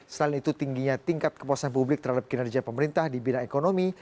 selain itu tingginya tingkat kepuasan publik terhadap kinerja pemerintah di bidang ekonomi